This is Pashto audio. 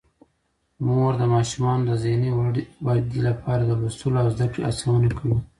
مور د ماشومانو د ذهني ودې لپاره د لوستلو او زده کړې هڅونه کوي.